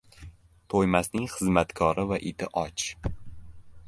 • To‘ymasning xizmatkori va iti och.